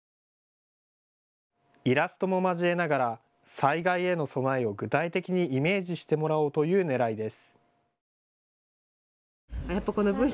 イラストも交えながら災害への備えを具体的にイメージしてもらおうというねらいです。